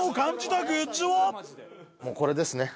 もうこれですね